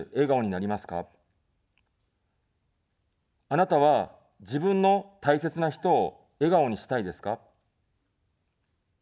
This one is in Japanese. あなたは、自分の大切な人を笑顔にしたいですか。